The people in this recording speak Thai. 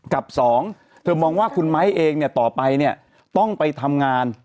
กับสองเธอมองว่าคุณไม้เองเนี่ยต่อไปเนี่ยต้องไปทำงาน